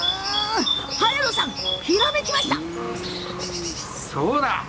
早野さん、ひらめきました。